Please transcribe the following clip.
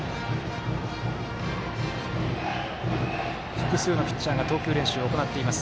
複数のピッチャーが投球練習を行っています。